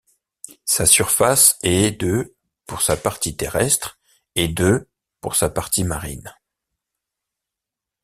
Sa surface est de pour sa partie terrestre, et de pour sa partie marine.